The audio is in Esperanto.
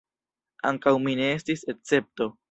Ankaŭ mi ne estis escepto.